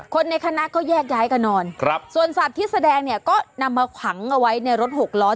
คนในคณะก็แยกย้ายกันนอนส่วนสัตว์ที่แสดงเนี่ยก็นำมาฝังเอาไว้ในรถหกล้อ